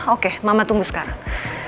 oke mama tunggu sekarang